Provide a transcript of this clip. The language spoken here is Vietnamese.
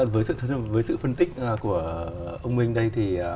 với sự phân tích của ông minh đây